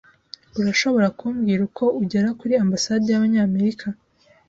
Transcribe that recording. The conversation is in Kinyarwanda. Urashobora kumbwira uko ugera kuri Ambasade y'Abanyamerika?